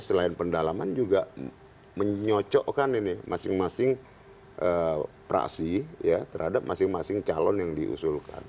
selain pendalaman juga menyocokkan ini masing masing praksi terhadap masing masing calon yang diusulkan